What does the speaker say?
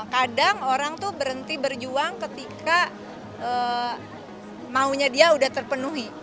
kadang orang tuh berhenti berjuang ketika maunya dia udah terpenuhi